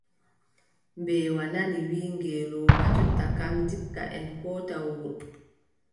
Mbeewa nani wiʼi ngeelooba jonta kam, ndikka en koota wuro.